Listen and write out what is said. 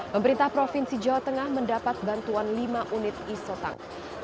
pemerintah provinsi jawa tengah mendapat bantuan lima unit isotang